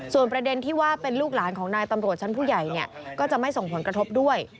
ส่วนประเด็นที่ว่าเป็นลูกหลานของนายตำรวจชั้นผู้ใหญ่ก็จะไม่ส่งผลกระทบด้วย